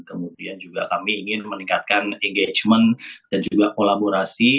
kemudian juga kami ingin meningkatkan engagement dan juga kolaborasi